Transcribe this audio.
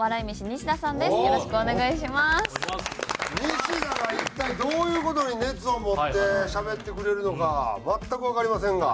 西田は一体どういう事に熱を持ってしゃべってくれるのか全くわかりませんが。